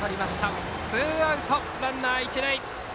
これでツーアウトランナー、一塁。